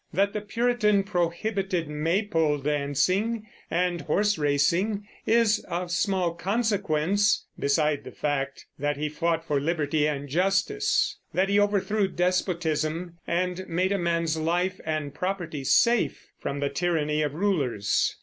That the Puritan prohibited Maypole dancing and horse racing is of small consequence beside the fact that he fought for liberty and justice, that he overthrew despotism and made a man's life and property safe from the tyranny of rulers.